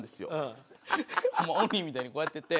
鬼みたいにこうやってて。